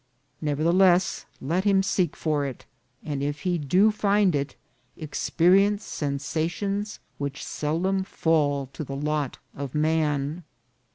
Nevertheless, let him seek for it ; and if he do find it, experience sensations which seldom fall to the lot of man.